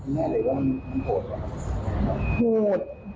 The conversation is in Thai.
แม่เลยว่ามันโหดอะ